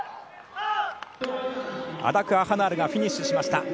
アダク・アハナールがフィニッシュしました。